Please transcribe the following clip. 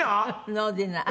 ノーディナー？